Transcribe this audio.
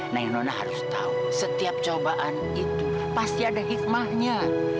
nah yang nona harus tahu setiap cobaan itu pasti ada hikmahnya